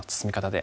で